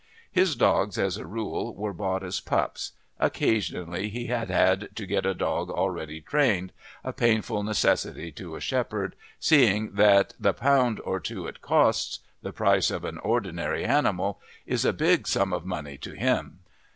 His dogs as a rule were bought as pups; occasionally he had had to get a dog already trained, a painful necessity to a shepherd, seeing that the pound or two it costs the price of an ordinary animal is a big sum of money to him.